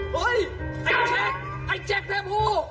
เฮ่ยไอ้แจ็คไอ้แจ็คแม่ผู้